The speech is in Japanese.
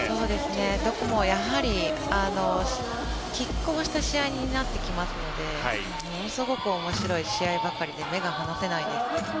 どこも、やはりきっ抗した試合になってきますのでものすごくおもしろい試合ばかりで目が離せないです。